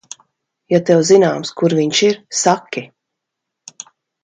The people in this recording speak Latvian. Ja tev zināms, kur viņš ir, saki.